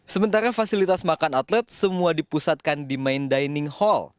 sementara fasilitas makan atlet semua dipusatkan di main dining hall